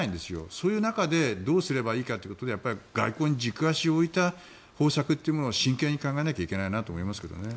そういう中でどうすればいいかということで外交に軸足を置いた方策というものを真剣に考えなきゃいけないと思いますけどね。